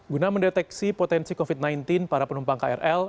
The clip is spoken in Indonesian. guna mendeteksi potensi covid sembilan belas para penumpang krl